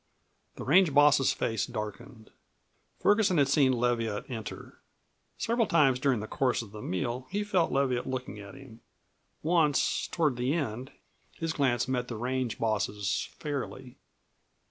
The range boss's face darkened. Ferguson had seen Leviatt enter; several times during the course of the meal he felt Leviatt looking at him. Once, toward the end, his glance met the range boss's fairly.